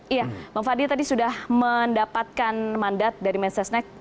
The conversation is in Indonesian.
iya bang fadli tadi sudah mendapatkan mandat dari mensesnek